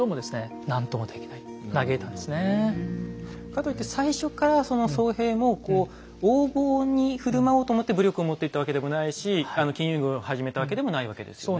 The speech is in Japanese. かといって最初からその僧兵もこう横暴に振る舞おうと思って武力を持っていったわけでもないし金融業を始めたわけでもないわけですよね。